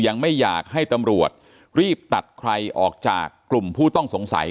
ยังไม่อยากให้ตำรวจรีบตัดใครออกจากกลุ่มผู้ต้องสงสัย